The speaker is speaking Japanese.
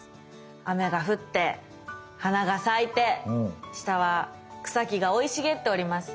雨が降って花が咲いて下は草木が生い茂っております。